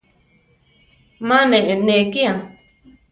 Ma ne eʼnéki a.